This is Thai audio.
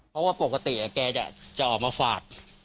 เพราะว่าปกติแกจะออกมาฝาก